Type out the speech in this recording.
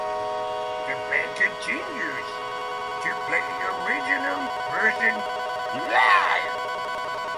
The band continues to play the original version live.